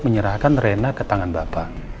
menyerahkan rena ke tangan bapak